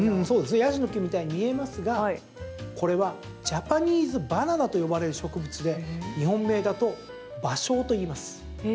ヤシの木みたいに見えますがこれはジャパニーズ・バナナと呼ばれる植物で日本名だと芭蕉といいます。